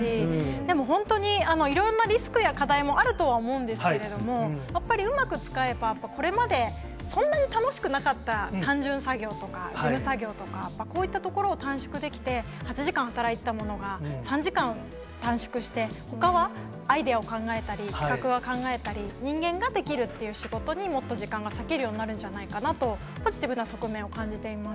でも本当にいろんなリスクや課題もあるとは思うんですけれども、やっぱりうまく使えば、これまでそんなに楽しくなかった単純作業とか、事務作業とか、こういった所を短縮できて、８時間働いてたものが３時間短縮して、ほかはアイデアを考えたり、企画を考えたり、人間ができるっていう仕事に、もっと時間が割けるようになるんじゃないかなと、ポジティブな側面を感じています。